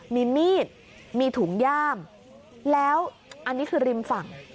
มีมีดมีถุงย่ามแล้วอันนี้คือริมฝั่ง